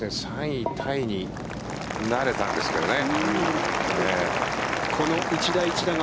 ３位タイになれたんですけどね。